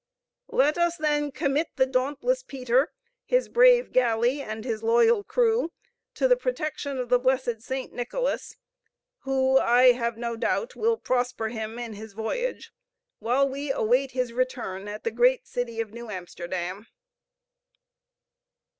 Let us, then, commit the dauntless Peter, his brave galley, and his loyal crew, to the protection of the blessed St. Nicholas, who, I have no doubt, will prosper him in his voyage, while we await his return at the great city of New Amsterdam.